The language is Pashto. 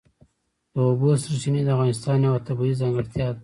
د اوبو سرچینې د افغانستان یوه طبیعي ځانګړتیا ده.